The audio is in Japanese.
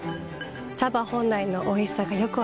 茶葉本来のおいしさがよく分かります。